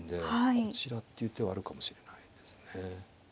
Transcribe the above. こちらっていう手はあるかもしれないですね。